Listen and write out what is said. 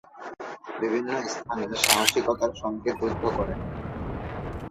বিভিন্ন স্থানে সাহসিকতার সঙ্গে যুদ্ধ করেন।